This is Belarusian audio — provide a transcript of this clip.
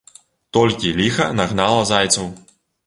Толькі ліха нагнала зайцоў.